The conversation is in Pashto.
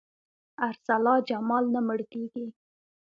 ارسلا جمال نه مړ کېږي.